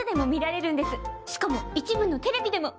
しかも一部のテレビでも。